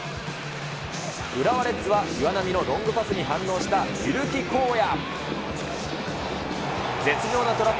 浦和レッズは岩波のロングパスに反応した汰木康也。